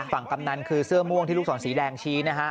กำนันคือเสื้อม่วงที่ลูกศรสีแดงชี้นะฮะ